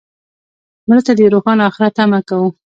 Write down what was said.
مړه ته د روښانه آخرت تمه کوو